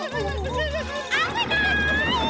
あぶない！